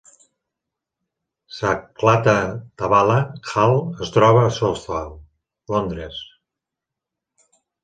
Saklatvala Hall es troba a Southall, Londres.